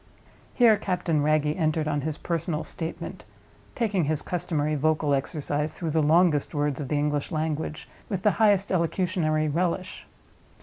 Here Captain Wragge entered on his personal statement; taking his customary vocal exercise through the longest words of the English language, with the highest elocutionary relish.